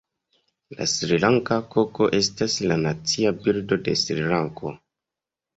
La Srilanka koko estas la Nacia birdo de Srilanko.